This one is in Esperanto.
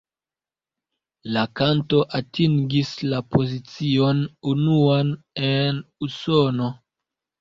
La kanto atingis la pozicion unuan en Usono.